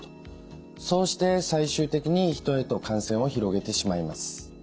そうして最終的に人へと感染を広げてしまいます。